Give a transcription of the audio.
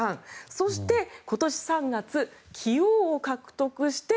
そして、今年３月棋王を獲得して。